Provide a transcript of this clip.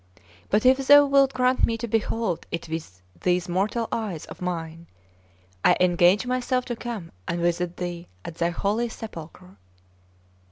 But if Thou wilt grant me to behold it with these mortal eyes of mine, I engage myself to come and visit Thee at Thy holy sepulchre."